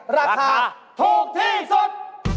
ราคาถูกที่สุด